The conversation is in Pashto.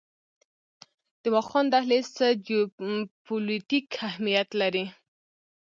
د واخان دهلیز څه جیوپولیټیک اهمیت لري؟